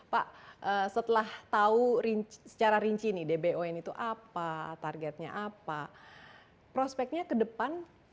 pak setelah tahu secara rinci nih dbon itu apa targetnya apa prospeknya ke depan